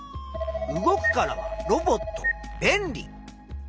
「動く」からは「ロボット」「べんり」。